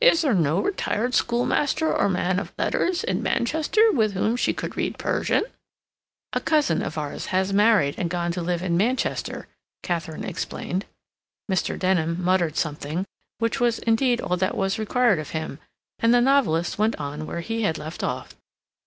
"Is there no retired schoolmaster or man of letters in Manchester with whom she could read Persian?" "A cousin of ours has married and gone to live in Manchester," Katharine explained. Mr. Denham muttered something, which was indeed all that was required of him, and the novelist went on where he had left off.